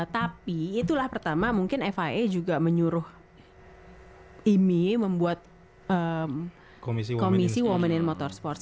tapi itulah pertama mungkin fia juga menyuruh imi membuat komisi women in motorsports